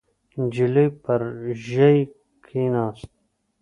نجلۍ پر ژۍ کېناسته.